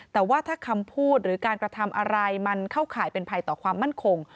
แต่ว่าถ้าคำพูดหรือการกระทำอะไรมันเข้าข่ายเป็นภัยต่อความมั่นคง